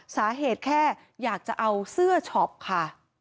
สาเหตุแค่อยากจะเอาเสื้อช็อปค่ะ